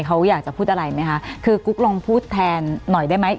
เขาอยากจะพูดอะไรไหมคะคือกุ๊กลองพูดแทนหน่อยได้ไหม